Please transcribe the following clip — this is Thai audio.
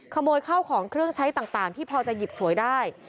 ขโมยข้าวของเครื่องใช้ต่างที่พอจะหยิบฉวยได้